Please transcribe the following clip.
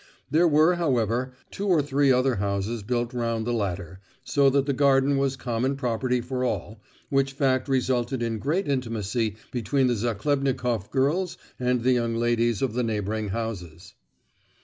There were, however, two or three other houses built round the latter, so that the garden was common property for all, which fact resulted in great intimacy between the Zachlebnikoff girls and the young ladies of the neighbouring houses.